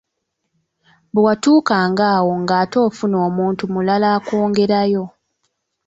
Bwe watuukanga awo nga ate ofuna muntu mulala akwongerayo.